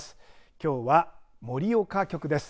きょうは盛岡局です。